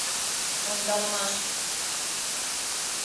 Ондалымаш!..